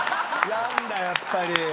やるんだやっぱり。